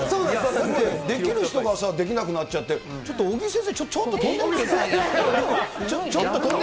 だって、できる人がさ、できなくなっちゃって、ちょっと尾木先生、ちょっとやってみてもらって。